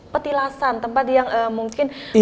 petilasan tempat yang mungkin